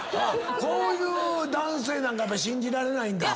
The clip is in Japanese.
こういう男性なんか信じられないんだ？